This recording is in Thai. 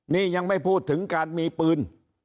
นี่ยังไม่พูดถึงการมีปืน